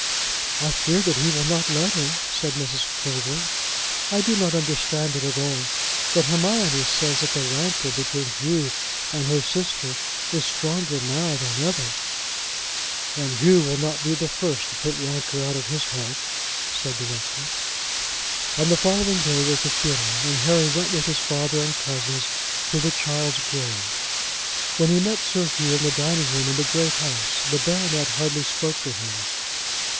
"I fear that he will not let her," said Mrs. Clavering. "I do not understand it all, but Hermione says that the rancour between Hugh and her sister is stronger now than ever." "And Hugh will not be the first to put rancour out of his heart," said the rector. On the following day was the funeral and Harry went with his father and cousins to the child's grave. When he met Sir Hugh in the dining room in the Great House the baronet hardly spoke to him.